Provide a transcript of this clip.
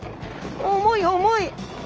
重い重い。